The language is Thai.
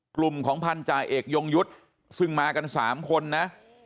กลุ่มของพันธาเอกยงยุทธ์ซึ่งมากัน๓คนนะ